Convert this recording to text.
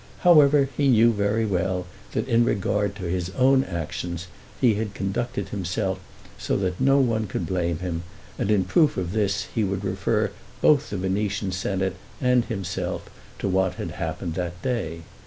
However, he knew very well, that in regard to his own actions he had conducted himself so that no one could blame him; and in proof of this he would refer both the Venetian senate and himself to what had happened that day.